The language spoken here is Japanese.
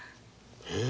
え！？